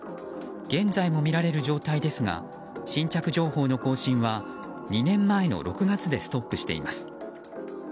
現在も見られる状態ですが新着情報の更新は２年前の６月でストップしています。